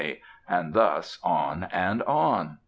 and thus on and on.